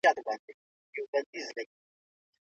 د زیړي ناروغي خطرناکه ده.